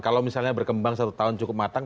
kalau misalnya berkembang satu tahun cukup matang